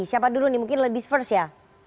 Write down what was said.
siapa dulu nih mungkin lebih first ya